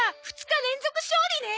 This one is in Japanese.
２日連続勝利ね！